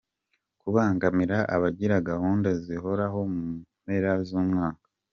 Kubangamira abagira gahunda zihoraho mu mpera z’umwaka.